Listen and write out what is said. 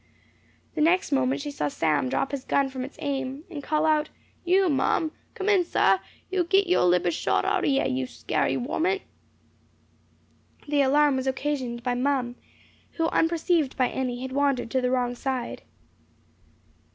The next moment she saw Sam drop his gun from its aim, and call out, "You Mum! Come in, sah! You git yo' libber shot out o' you, you scary warment!" The alarm was occasioned by Mum, who, unperceived by any, had wandered to the wrong side.